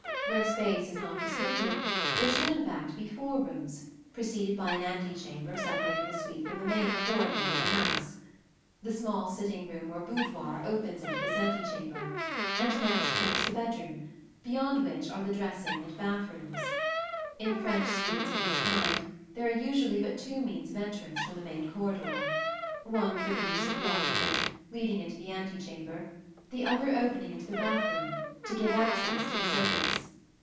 Where space is not restricted there should in fact be four rooms, preceded by an antechamber separating the suite from the main corridor of the house. The small sitting room or boudoir opens into this antechamber; and next comes the bedroom, beyond which are the dressing and bath rooms. In French suites of this kind there are usually but two means of entrance from the main corridor: one for the use of the occupant, leading into the antechamber, the other opening into the bath room, to give access to the servants.